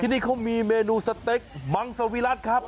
นี่เขามีเมนูสเต็กมังสวิรัติครับ